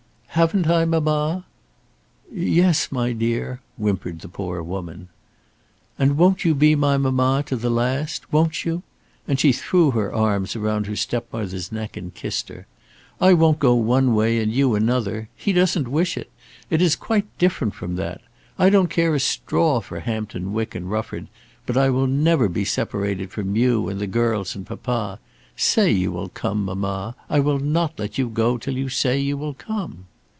"Haven't I, mamma?" "Yes, my dear," whimpered the poor woman. "And won't you be my mamma to the last; won't you?" And she threw her arms round her step mother's neck and kissed her. "I won't go one way, and you another. He doesn't wish it. It is quite different from that. I don't care a straw for Hampton Wick and Rufford; but I will never be separated from you and the girls and papa. Say you will come, mamma. I will not let you go till you say you will come."